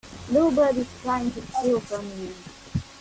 Nobody's trying to steal from you.